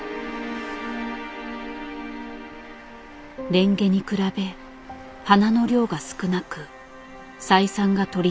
レンゲに比べ花の量が少なく採算が取りづらいリンゴの花。